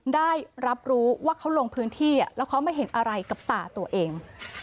ได้รับรู้ว่าเขาลงพื้นที่แล้วเขาไม่เห็นอะไรกับตาตัวเอง